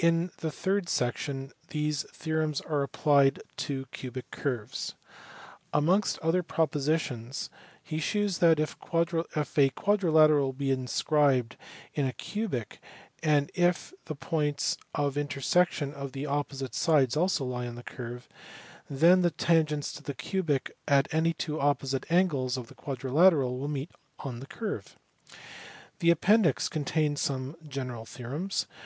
In the third section these theorems are applied to cubic curves. Amongst other propositions he here shews that, if a quadri lateral be inscribed in a cubic, and if the points of intersection of the opposite sides also lie on the curve, then the tangents to the cubic at any two opposite angles of the quadrilateral will meet on the curve. The appendix contains some general theorems.